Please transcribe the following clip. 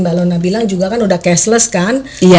mbak lona bilang juga kan udah cashless kan